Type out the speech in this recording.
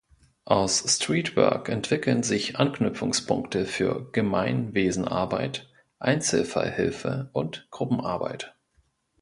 Aus Streetwork entwickeln sich Anknüpfungspunkte für Gemeinwesenarbeit, Einzelfallhilfe und Gruppenarbeit.